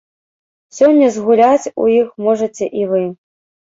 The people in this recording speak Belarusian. Сёння згуляць у іх можаце і вы!